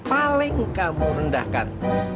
yang paling kamu rendahkan